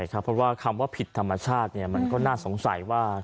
จิตธรรมชาติเนี่ยมันก็น่าสงสัยว่า